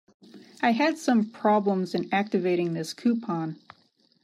I had some problems in activating this coupon.